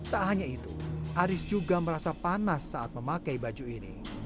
tak hanya itu aris juga merasa panas saat memakai baju ini